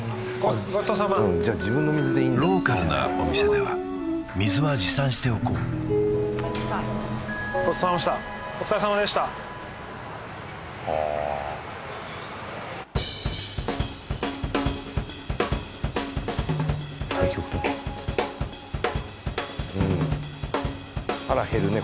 ごちそうさまローカルなお店では水は持参しておこうごちそうさまでしたお疲れさまでした太極拳腹減るね